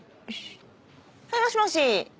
はいもしもし。